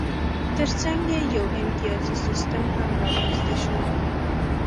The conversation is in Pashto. ترڅنګ یې یو امتیازي سیستم هم رامنځته شو